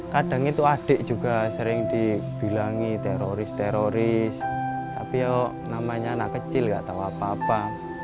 kadang itu adik juga sering dibilangi teroris teroris tapi ya namanya anak kecil gak tahu apa apa